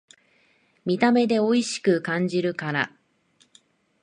見た目でおいしく感じるから